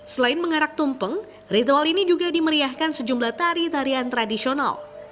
selain mengarak tumpeng ritual ini juga dimeriahkan sejumlah tari tarian tradisional